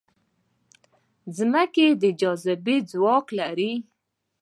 مځکه د جاذبې ځواک لري.